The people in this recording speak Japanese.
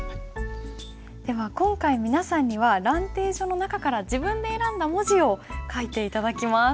では今回皆さんには「蘭亭序」の中から自分で選んだ文字を書いて頂きます。